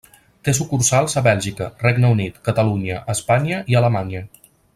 Té sucursals a Bèlgica, Regne Unit, Catalunya, Espanya i Alemanya.